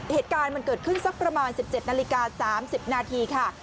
เหตุการณ์มันเกิดขึ้นสักประมาณ๑๗นาฬิกา๓๐นาทีค่ะ